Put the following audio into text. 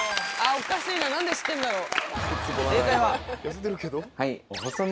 おかしいな何で知ってんだろう。